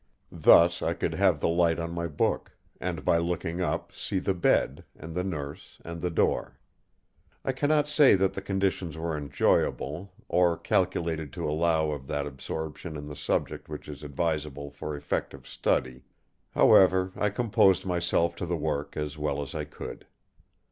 Thus I could have the light on my book; and by looking up, see the bed, and the Nurse, and the door. I cannot say that the conditions were enjoyable, or calculated to allow of that absorption in the subject which is advisable for effective study. However, I composed myself to the work as well as I could.